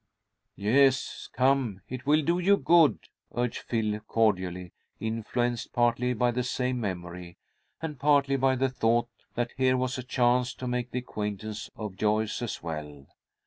"Yes, come! It will do you good," urged Phil, cordially, influenced partly by the same memory, and partly by the thought that here was a chance to make the acquaintance of Joyce as well.